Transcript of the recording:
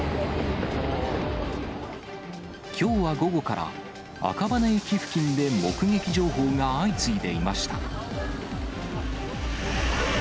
きょうは午後から、赤羽駅付近で目撃情報が相次いでいました。